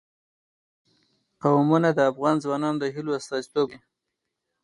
قومونه د افغان ځوانانو د هیلو استازیتوب کوي.